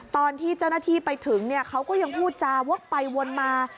ตอนที่เจ้าหน้าที่ไปถึงเขาก็ยังพูดจาวกไปวนมา